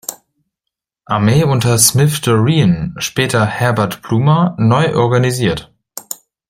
Armee unter Smith-Dorrien, später Herbert Plumer, neu organisiert.